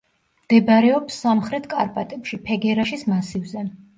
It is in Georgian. მდებარეობს სამხრეთ კარპატებში, ფეგერაშის მასივზე.